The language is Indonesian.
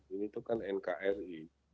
ini itu kan nkri